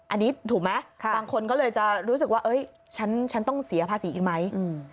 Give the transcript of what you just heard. อันนี้ถูกไหมบางคนก็เลยจะรู้สึกว่าฉันต้องเสียภาษีอีกไหม